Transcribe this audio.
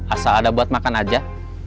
asal ada buat makan aja